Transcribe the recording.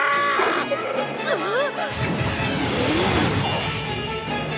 あっ！